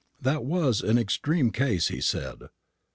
"That was an extreme case," he said.